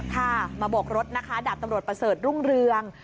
ค่ะมาโบกรถนะคะดาบตำรวจประเสริฐรุ่งเรือง